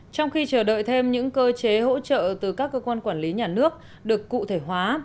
trong khi chờ đợi thêm những cơ chế hỗ trợ từ các cơ quan quản lý nhà nước được cụ thể hóa